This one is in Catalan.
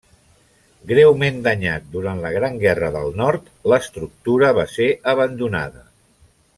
Greument danyat durant la Gran Guerra del Nord, l'estructura va ser abandonada.